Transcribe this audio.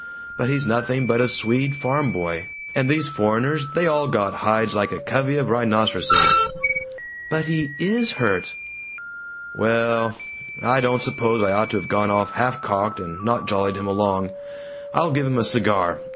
but he's nothing but a Swede farm boy, and these foreigners, they all got hides like a covey of rhinoceroses ." "But he IS hurt!" "Well I don't suppose I ought to have gone off half cocked, and not jollied him along. I'll give him a cigar.